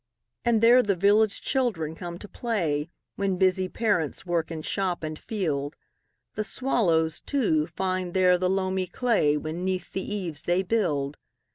And there the village children come to play, When busy parents work in shop and field. The swallows, too, find there the loamy clayWhen 'neath the eaves they build.